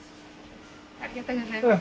ありがとうございます。